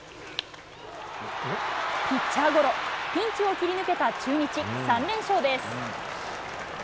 ピッチャーゴロ、ピンチを切り抜けた中日、３連勝です。